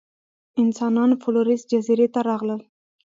انسانان فلورېس جزیرې ته راغلل.